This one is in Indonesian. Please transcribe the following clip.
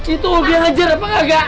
itu dia ngejar apa gak